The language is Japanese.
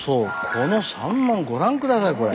この山門ご覧下さいこれ。